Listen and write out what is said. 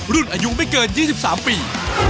รุ่นอายุไม่เกิน๒๓ปี